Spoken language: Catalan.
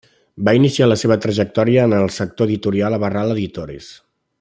Va iniciar la seva trajectòria en el sector editorial a Barral Editores.